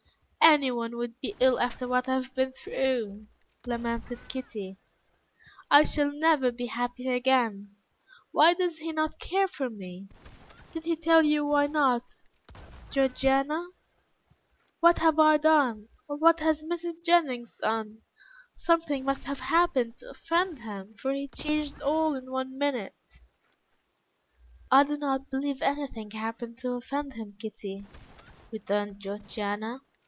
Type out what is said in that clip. "Anyone would be ill after what I have been through," lamented Kitty; "I shall never be happy again. Why does he not care for me? Did he tell you why not, Georgiana? What have I done, or what has Mrs. Jennings done? Something must have happened to offend him, for he changed all in one minute." "I do not believe anything happened to offend him, Kitty," returned Georgiana.